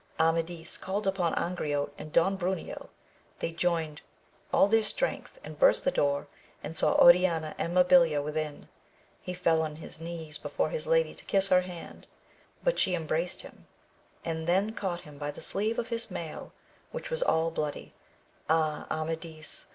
Amadis called upon Angriote and Don Bruneo ; they joined all their strength, and burst the door, and saw Oriana and Mabilia within ; he fell on his knees before his lady to kiss her hand, but she embraced him, and then AMADIS OF GAUL. 66 caught him by the sleeve of his mail which was all bloody, Ah Amadis !